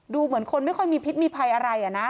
เหมือนคนไม่ค่อยมีพิษมีภัยอะไรนะ